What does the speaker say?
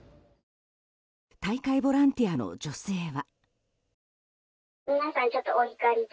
大会ボランティアの女性は。